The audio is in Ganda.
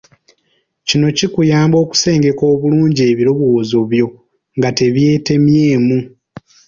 Kino kikuyamba okusengeka obulungi ebirowoozo byo nga tebyetemyemu.